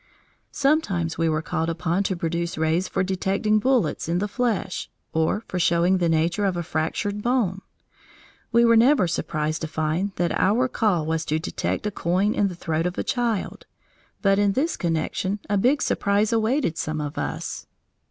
Sometimes we were called upon to produce rays for detecting bullets in the flesh, or for showing the nature of a fractured bone. We were never surprised to find that our call was to detect a coin in the throat of a child, but in this connection a big surprise awaited some of us.